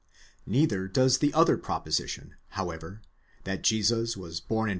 Neither does the other proposition, however, that Jesus was born in Beth ® Tertull.